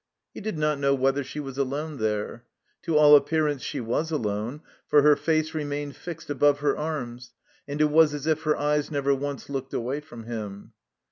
He did not know whether she was alone there. To all appear ance she was alone, for her face remained fixed above her arms, and it was as if her eyes never once looked away from him.